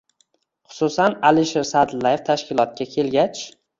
Xususan, Alisher Sa’dullayev tashkilotga kelgach